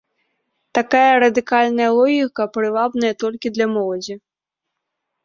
Такая радыкальная логіка прывабная толькі для моладзі.